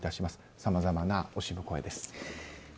さまざまな惜しむ声です。